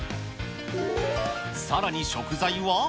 さらに食材は。